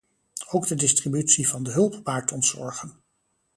Ook de distributie van de hulp baart ons zorgen.